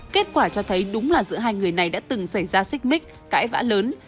kết quả cho thấy đúng là giữa hai người này đã từng xảy ra xích mích cãi vã lớn